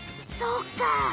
そうか。